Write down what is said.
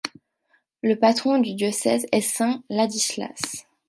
Le patron du diocèse est saint Ladislas.